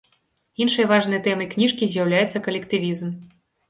Іншай важнай тэмай кніжкі з'яўляецца калектывізм.